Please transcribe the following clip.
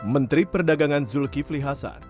menteri perdagangan zulkifli hasan